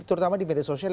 terutama di media sosial